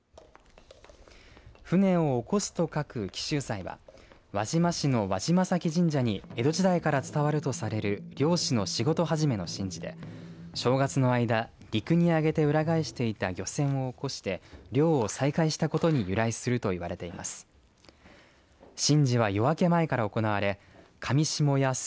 舟を起こすと書く起舟祭は輪島市の輪島前神社に江戸時代から伝わるとされる漁師の仕事始めの神事で正月の間、陸に揚げて裏返していだ漁船を起こして漁を再開したことに由来するといわれています。